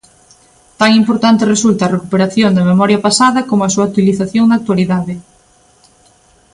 Tan importante resulta a recuperación da memoria pasada como a súa utilización na actualidade.